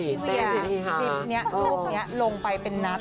พี่เวียรูปนี้ลงไปเป็นนัด